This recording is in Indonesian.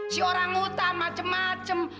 si orang utam macem macem